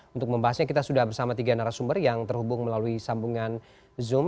untuk membahasnya kita sudah bersama tiga narasumber yang terhubung melalui sambungan zoom